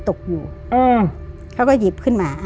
ตกอยู่เขาก็หยิบขึ้นมา